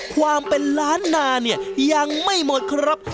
ความเป็นล้านนาเนี่ยยังไม่หมดครับ